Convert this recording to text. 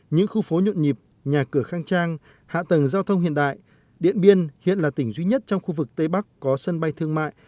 những khu phố nhuộn nhịp nhà cửa khang trang hạ tầng giao thông hiện đại điện biên hiện là tỉnh duy nhất trong khu vực tây bắc có sân bay thương mại